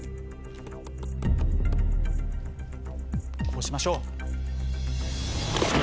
こうしましょう。